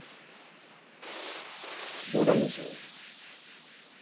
冗談ですよ。